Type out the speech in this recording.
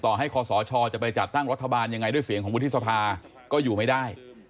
ให้คอสชจะไปจัดตั้งรัฐบาลยังไงด้วยเสียงของวุฒิสภาก็อยู่ไม่ได้